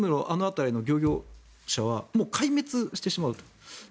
あの辺りの漁業者はもう壊滅してしまうと。